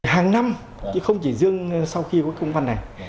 hàng năm không chỉ dương sau khi có công văn này